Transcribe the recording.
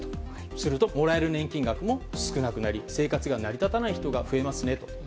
すると、もらえる年金額も少なくなり生活が成り立たなくなる人が増えますねと。